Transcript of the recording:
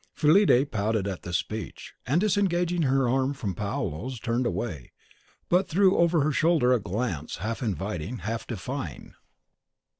Fillide pouted at this speech, and, disengaging her arm from Paolo's, turned away, but threw over her shoulder a glance half inviting, half defying.